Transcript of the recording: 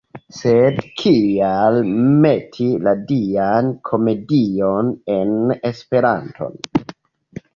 Sed kial meti la Dian Komedion en esperanton?